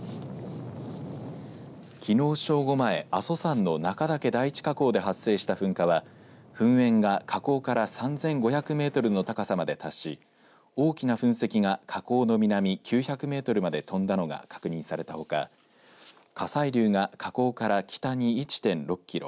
きのう正午前、阿蘇山の中岳第一火口で発生した噴火は噴煙が火口から３５００メートルの高さまで達し大きな噴石が火口の南９００メートルまで飛んだのが確認されたほか火砕流が火口から北に１．６キロ